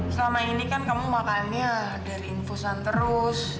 selama ini kan kamu makannya dari infusan terus